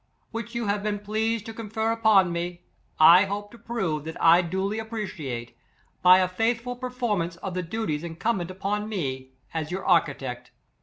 20 Mr. Mills replied — "The honor, sir, you have been pleased to confer upon me, I hope to prove that I duly appreciate, by a faithful performance of the duties incumbent on me as your architect.